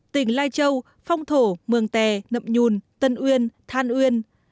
tỉnh lai châu phong thổ mường tè nậm nhùn tân uyên than uyên